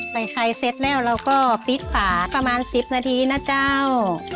ใส่ไข่เสร็จแล้วเราก็ปิดฝาประมาณ๑๐นาทีนะเจ้า